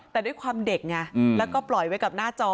แต่ด้วยความเด็กไงแล้วก็ปล่อยไว้กับหน้าจอ